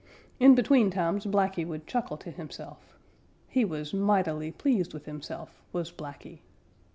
In between times Blacky would chuckle to himself. He was mightily pleased with himself, was Blacky.